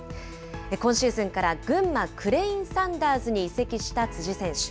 今シーズンから、群馬クレインサンダーズに移籍した辻選手。